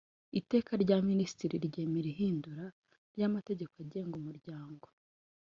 Iteka rya Minisitiri ryemera ihindura ry amategeko agenga Umuryango